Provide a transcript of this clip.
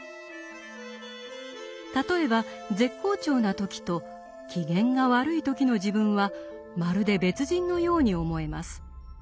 例えば絶好調な時と機嫌が悪い時の自分はまるで別人のように思えます。